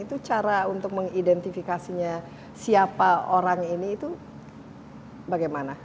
itu cara untuk mengidentifikasinya siapa orang ini itu bagaimana